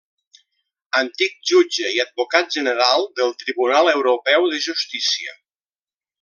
Antic jutge i Advocat General del Tribunal Europeu de Justícia.